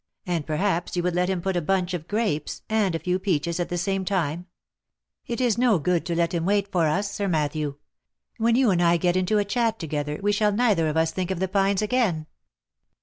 and perhaps you would let him put up a bunch of grapes, and a few peaches at the same time — it is no good to let him wait for us; Sir Matthew ;— when you and I get into a chat together, we shall neither of us think of the pines again."